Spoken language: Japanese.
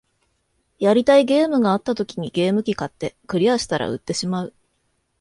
やりたいゲームがあった時にゲーム機買って、クリアしたら売ってしまう